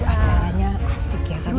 ajaranya asik ya tadi